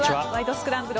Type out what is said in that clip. スクランブル」